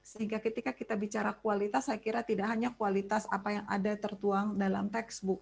sehingga ketika kita bicara kualitas saya kira tidak hanya kualitas apa yang ada tertuang dalam textbook